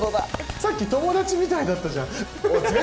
さっき友達みたいだったじゃん。